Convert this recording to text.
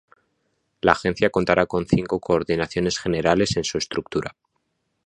La agencia contará con cinco coordinaciones generales en su estructura.